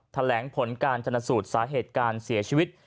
แถลงผลการชนสูตรสาเหตุการเสียชีวิต